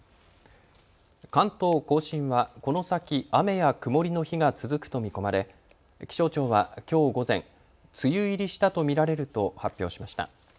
関東甲信はこの先、雨や曇りの日が続くと見込まれ気象庁はきょう午前、梅雨入りしたと見られると発表しました。